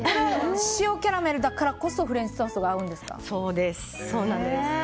塩キャラメルだからこそフレンチトーストが合うんですか？